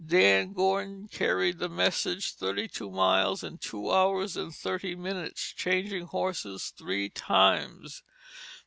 Dan Gordon carried the message thirty two miles in two hours and thirty minutes, changing horses three times.